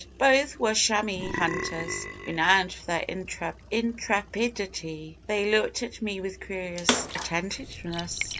Both were chamois hunters, renowned for their intrepidity. They looked at me with curious attentiveness.